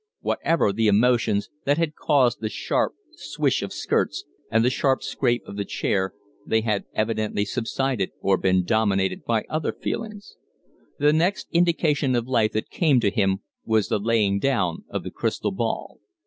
Whatever the emotions that had caused the sharp swish of skirts and the sharp scrape of the chair, they had evidently subsided or been dominated by other feelings. The next indication of life that came to him was the laying down of the crystal ball.